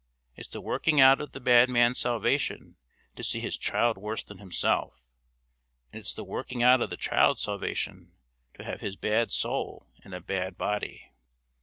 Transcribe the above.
It's the working out of the bad man's salvation to see his child worse than himself, and it's the working out of the child's salvation to have his bad soul in a bad body.